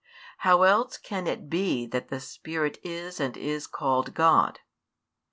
Else how ean it be that the Spirit is and is called God?